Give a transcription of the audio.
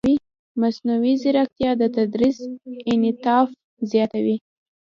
مصنوعي ځیرکتیا د تدریس انعطاف زیاتوي.